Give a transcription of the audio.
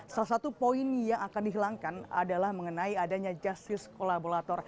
salah satu poin yang akan dihilangkan adalah mengenai adanya justice kolaborator